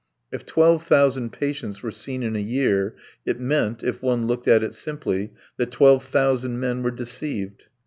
If twelve thousand patients were seen in a year it meant, if one looked at it simply, that twelve thousand men were deceived.